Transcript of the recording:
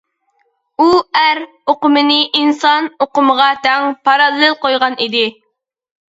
ئۇ «ئەر» ئۇقۇمىنى «ئىنسان» ئۇقۇمىغا تەڭ، پاراللېل قويغان ئىدى.